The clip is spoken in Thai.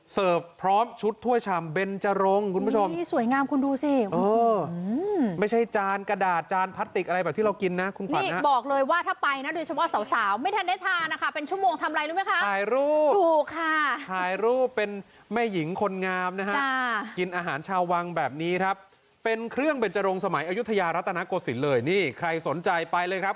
พร้อมชุดถ้วยชามเบนจรงคุณผู้ชมนี่สวยงามคุณดูสิไม่ใช่จานกระดาษจานพลาสติกอะไรแบบที่เรากินนะคุณนี่บอกเลยว่าถ้าไปนะโดยเฉพาะสาวสาวไม่ทันได้ทานนะคะเป็นชั่วโมงทำอะไรรู้ไหมคะถ่ายรูปถูกค่ะถ่ายรูปเป็นแม่หญิงคนงามนะฮะกินอาหารชาววังแบบนี้ครับเป็นเครื่องเบนจรงสมัยอายุทยารัฐนาโกศิลป์เลยนี่ใครสนใจไปเลยครับ